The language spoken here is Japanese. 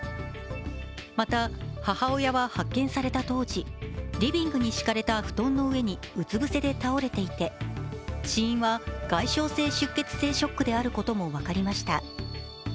また、母親は発見された当時、リビングに敷かれた布団の上にうつ伏せで倒れていて死因は外傷性出血性ショックであることも分かりました。